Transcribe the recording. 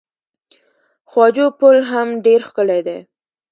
خواجو پل هم ډیر ښکلی دی.